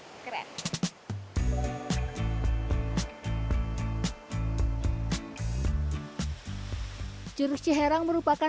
di curug ciharang ada beberapa tempat yang sangat menyenangkan